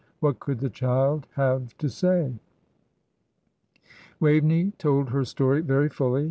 What could the child have to say? Waveney told her story very fully.